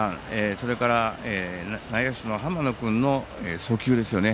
それから内野手の浜野君の送球ですね。